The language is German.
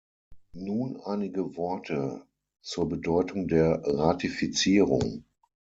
Nun einige Worte zur Bedeutung der Ratifizierung.